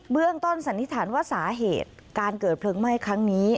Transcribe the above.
เรื่องต้นสันนิษฐานว่าสาเหตุการเกิดเพลิงไหม้ครั้งนี้